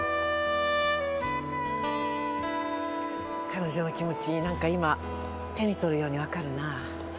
彼女の気持ちなんか今手に取るようにわかるなぁ。